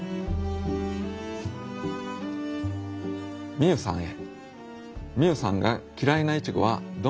みゆさんへ。